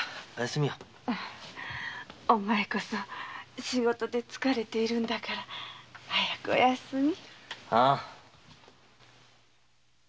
お前こそ仕事で疲れているんだから早くお休み。